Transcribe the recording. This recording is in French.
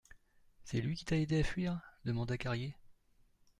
C'est lui qui t'a aidé à fuir ? demanda Carrier.